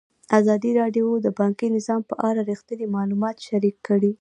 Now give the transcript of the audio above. ازادي راډیو د بانکي نظام په اړه رښتیني معلومات شریک کړي.